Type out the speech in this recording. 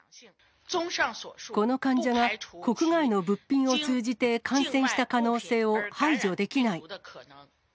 この患者が国外の物品を通じて感染した可能性を排除できない。